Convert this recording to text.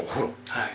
はい。